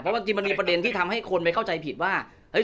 เพราะว่าจริงมันมีประเด็นที่ทำให้คนไปเข้าใจผิดว่าเอ้ย